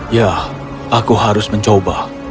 ya aku harus mencoba